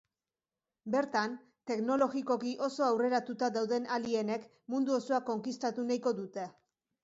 Bertan, teknologikoki oso aurreratuta dauden alienek mundu osoa konkistatu nahiko dute.